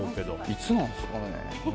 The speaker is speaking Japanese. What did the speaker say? いつなんすかね。